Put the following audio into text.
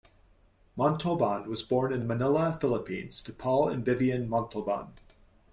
Montalban was born in Manila, Philippines to Paul and Vivian Montalban.